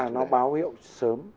nó báo hiệu sớm